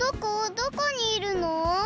どこにいるの？